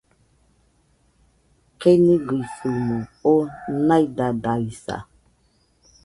Keniguisɨmo oo naidadaisa